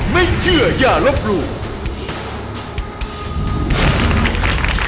ไม่เชื่อย่ารบรูป